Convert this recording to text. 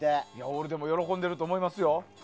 オールデンも喜んでると思いますよ。